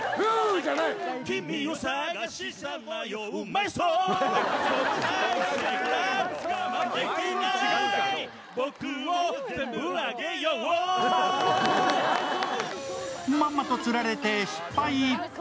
まんまとつられて失敗。